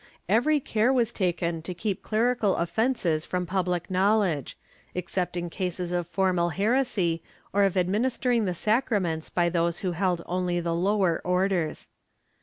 Every care was taken to keep clerical offences from public knowledge, except in cases of formal heresy or of administering the sacraments by those who held only the lower orders.